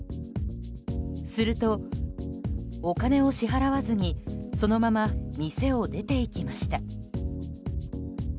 するとお金を支払わずにそのまま店を出て行きました。